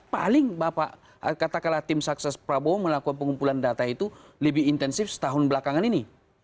paling bapak katakanlah tim sukses prabowo melakukan pengumpulan data itu lebih intensif setahun belakangan ini